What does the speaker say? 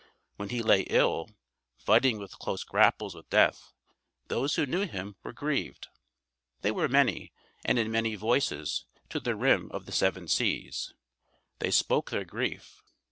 When he lay ill, fighting with close grapples with death, those who knew him were grieved. They were many, and in many voices, to the rim of the Seven Seas, they spoke their grief.